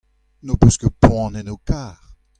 n'ho peus ket poan en ho kar.